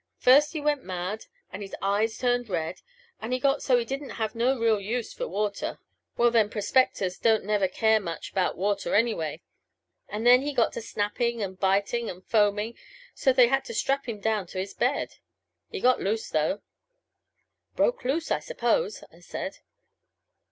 First he went mad and his eyes turned red, and he got so he didn't have no real use for water well, them prospectors don't never care much about water anyway and then he got to snappin' and bitin' and foamin' so's they had to strap him down to his bed. He got loose though." "Broke loose, I suppose?" I said.